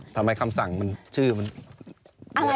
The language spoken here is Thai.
คำสั่งมันชื่อมัน